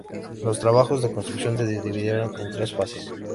Los trabajos de construcción se dividieron en tres fases.